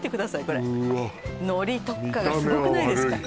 これ海苔特化がすごくないですか？